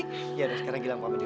iya sekarang gilam sama dia